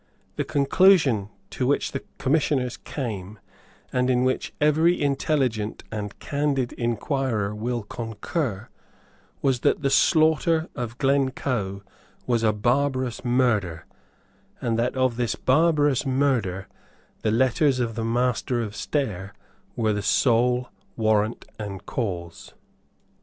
The conclusion to which the Commissioners came, and in which every intelligent and candid inquirer will concur, was that the slaughter of Glencoe was a barbarous murder, and that of this barbarous murder the letters of the Master of Stair were the sole warrant and cause.